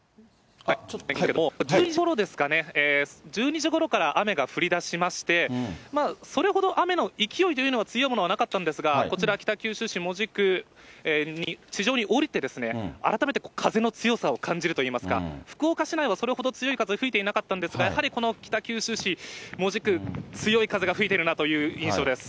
お昼ごろですかね、１２時ごろから雨が降りだしまして、それほど雨の勢いというのは強いものはなかったんですが、こちら、北九州市門司区、地上に降りて、改めて風の強さを感じるといいますか、福岡市内はそれほど強い風は吹いていなかったんですが、やはりこの北九州市、門司区、強い風が吹いているなという印象です。